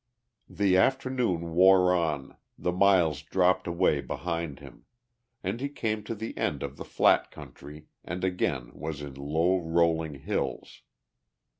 The afternoon wore on, the miles dropped away behind him; and he came to the end of the flat country and again was in low rolling hills.